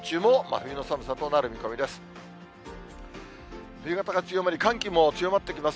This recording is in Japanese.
冬型が強まり、寒気も強まってきます。